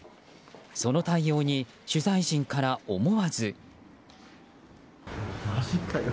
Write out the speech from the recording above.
その対応に取材陣から思わず。